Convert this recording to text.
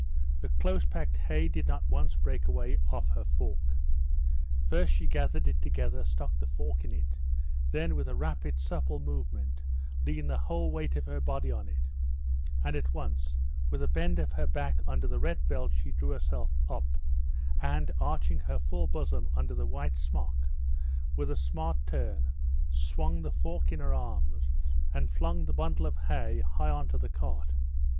The close packed hay did not once break away off her fork. First she gathered it together, stuck the fork into it, then with a rapid, supple movement leaned the whole weight of her body on it, and at once with a bend of her back under the red belt she drew herself up, and arching her full bosom under the white smock, with a smart turn swung the fork in her arms, and flung the bundle of hay high onto the cart.